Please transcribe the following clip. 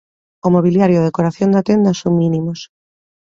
O mobiliario e a decoración da tenda son mínimos.